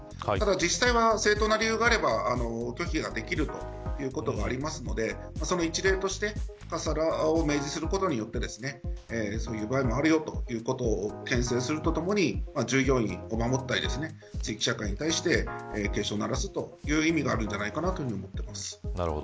実際は正当な理由があれば拒否ができるということがあるのでその一例としてカスハラを明示することでそういう場合もあるよということをけん制するとともに従業員を守ったり地域社会に対して警鐘を鳴らすという意味があると思います。